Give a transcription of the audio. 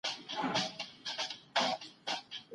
صحابه کرامو له خپلو ميرمنو سره ظلم نه کاوه.